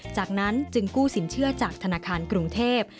จากนั้นจึงกู้สินเชื่อจากธนาคารกรุงเทพ